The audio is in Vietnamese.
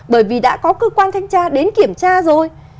bởi vì đã có cơ quan thanh tra đến kiểm tra rồi